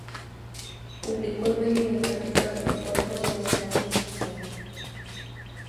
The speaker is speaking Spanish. Publicó imágenes gráficas de los cuerpos de los hermanos Hussein.